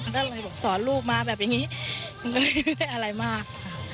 ถ้าเลยสอนลูกมาแบบอย่างนี้ก็ไม่ได้อะไรมาก